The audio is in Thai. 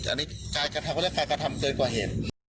อันนี้กระทำเกินกว่าเห็น